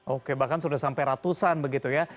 oke bahkan sudah sampai ratusan begitu ya